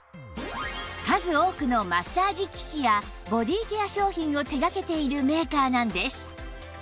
数多くのマッサージ機器やボディケア商品を手掛けているメーカーなんです